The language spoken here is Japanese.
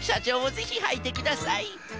ちょうもぜひはいてください。